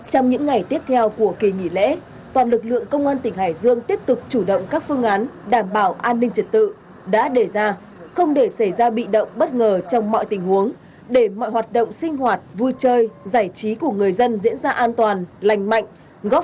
trong những ngày tiếp theo của kỳ nghỉ lễ toàn lực lượng công an tỉnh hải dương tiếp tục chủ động các phương án đảm bảo an ninh trật tự đã đề ra không để xảy ra bị động bất ngờ trong mọi tình huống để mọi hoạt động sinh hoạt vui chơi giải trí của người dân diễn ra an toàn lành mạnh góp phần vào một kỳ nghỉ lễ bình yên cho người dân